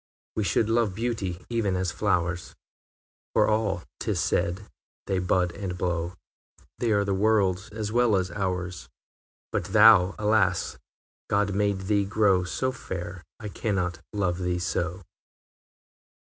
IV. We should love beauty even as flowers For all, 'tis said, they bud and blow, They are the world's as well as ours But thou alas! God made thee grow So fair, I cannot love thee so!